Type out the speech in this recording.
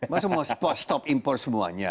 maksudnya mau stop impor semuanya